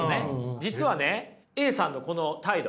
実はねＡさんのこの態度これがね